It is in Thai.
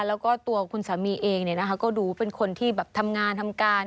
แล้วก็ตัวคุณสามีเองก็ดูเป็นคนที่แบบทำงานทำการ